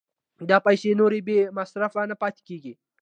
دا پیسې نورې بې مصرفه نه پاتې کېږي